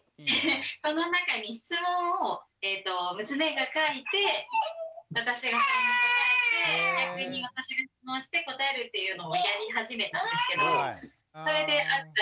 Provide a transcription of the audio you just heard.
その中に質問を娘が書いて私がそれに答えて逆に私が質問して答えるっていうのをやり始めたんですけどそれであったエピソードとしてはなんで？